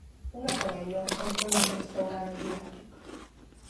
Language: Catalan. Una parella entra en un restaurant asiàtic.